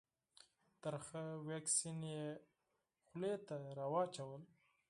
ترخه واکسین یې خولې ته راواچول.